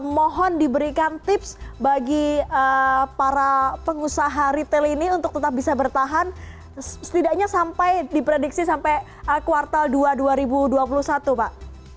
mohon diberikan tips bagi para pengusaha retail ini untuk tetap bisa bertahan setidaknya sampai diprediksi sampai kuartal dua dua ribu dua puluh satu pak